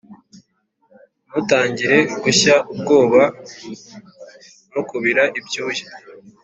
ntutangire gushya ubwoba no kubira ibyuya,